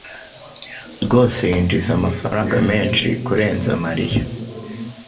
rwose yinjiza amafaranga menshi kurenza Mariya.